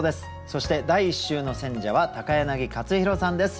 そして第１週の選者は柳克弘さんです。